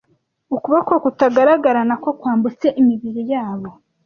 Ukuboko kutagaragara nako kwambutse imibiri yabo,